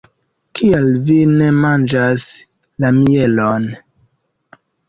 Kial vi ne manĝas la mielon?